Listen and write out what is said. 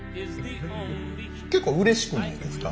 結構うれしくないですか？